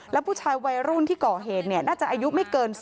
แล้วผู้ชายวัยรุ่นที่ก่อเหตุน่าจะอายุไม่เกิน๑๐